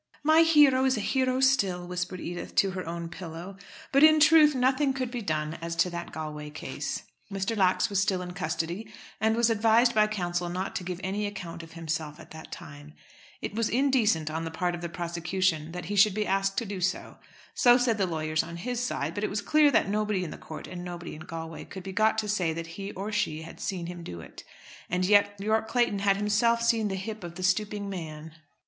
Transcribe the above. "My hero is a hero still," whispered Edith to her own pillow. But, in truth, nothing could be done as to that Galway case. Mr. Lax was still in custody, and was advised by counsel not to give any account of himself at that time. It was indecent on the part of the prosecution that he should be asked to do so. So said the lawyers on his side, but it was clear that nobody in the court and nobody in Galway could be got to say that he or she had seen him do it. And yet Yorke Clayton had himself seen the hip of the stooping man.